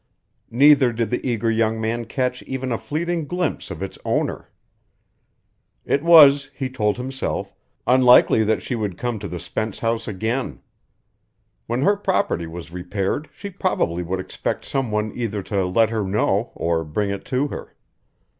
Neither did the eager young man catch even a fleeting glimpse of its owner. It was, he told himself, unlikely that she would come to the Spence house again. When her property was repaired she probably would expect some one either to let her know, or bring it to her.